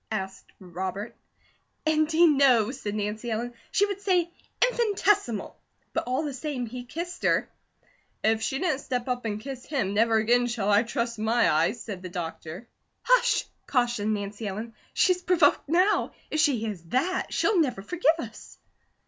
asked Robert. "Indeed, no!" said Nancy Ellen. "She would say 'infinitesimal.' But all the same he kissed her." "If she didn't step up and kiss him, never again shall I trust my eyes!" said the doctor. "Hush!" cautioned Nancy Ellen. "She's provoked now; if she hears that, she'll never forgive us."